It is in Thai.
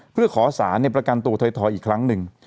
เพื่อขอสารประกันตัวถอยอีกครั้งหนึ่ง